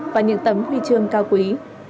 và những tấm huy chương cao quý